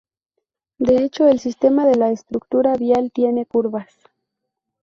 De hecho el sistema de la estructura vial tiene curvas.